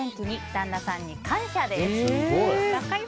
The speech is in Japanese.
旦那さんに感謝です。